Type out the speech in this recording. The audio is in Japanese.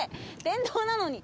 電動なのに。